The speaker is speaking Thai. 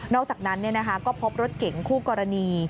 นอกจากนั้นเนี่ยนะคะก็พบรถเก๋งคู่กรณี